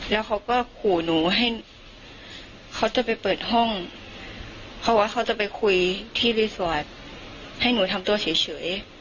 แล้วเขาก็ขู่หนูให้เขาจะไปเปิดห้องเขาว่าเขาจะไปคุยที่รีสอร์ทให้หนูทำตัวเฉย